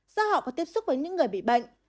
do họ có tiếp xúc với những người bị bệnh